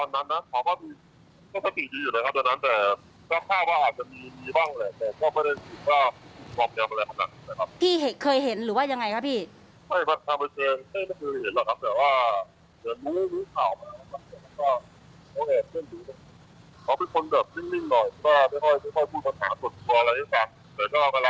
มาเลี่ยงฝันในเท่าเวลาเคยทำในศาสตริกเจ้าเฮียฮาพูดอยู่หรือเปล่า